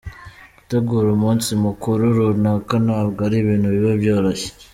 Gutegura umunsi mukuru runaka ntabwo ari ibintu biba byoroshye.